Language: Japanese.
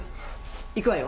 行くわよ。